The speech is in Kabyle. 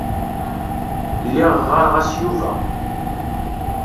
Lliɣ ɣɣareɣ-as Yuba.